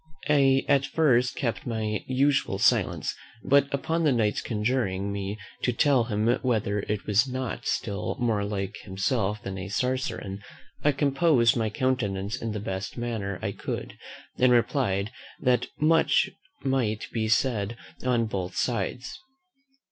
I at first kept my usual silence; but upon the Knight's conjuring me to tell him whether it was not still more like himself than a Saracen, I composed my countenance in the best manner I could, and replied, that much might be said on both sides.